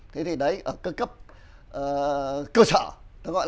thế thì đấy ở cơ cấp